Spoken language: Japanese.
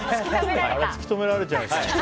突き止められちゃいました。